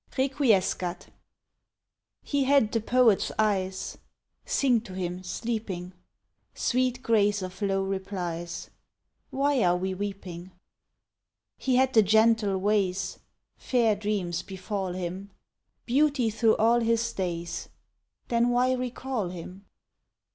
REQUIESCAT He had the poet's eyes, Sing to him sleeping, Sweet grace of low replies, Why are we weeping? He had the gentle ways, Fair dreams befall him! Beauty through all his days, Then why recall him?